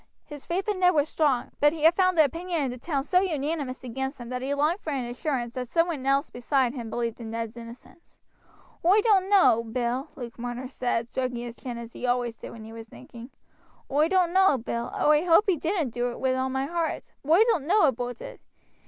His faith in Ned was strong, but he had found the opinion in the town so unanimous against him that he longed for an assurance that some one beside himself believed in Ned's innocence. "Oi doan't know, Bill," Luke Marner said, stroking his chin as he always did when he was thinking; "oi doan't know, Bill oi hoape he didn't do it, wi' all my heart. But oi doan't know aboot it.